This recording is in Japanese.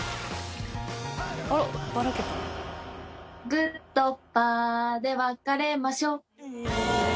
「グーとパーでわかれましょ」